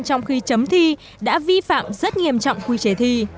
trong khi chấm thi đã vi phạm rất nghiêm trọng quy chế thi